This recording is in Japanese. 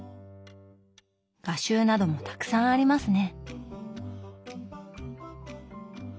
画集などもたくさんありますね。